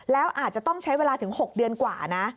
แล้วอาจจะต้องใช้เวลาถึง๖เดือนกว่านะ